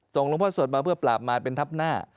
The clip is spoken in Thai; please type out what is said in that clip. หลวงพ่อสดมาเพื่อปราบมาเป็นทับหน้า